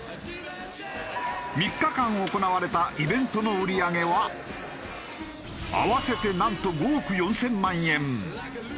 ３日間行われたイベントの売り上げは合わせてなんと５億４０００万円。